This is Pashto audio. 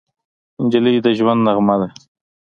نجلۍ د ژوند نغمه ده.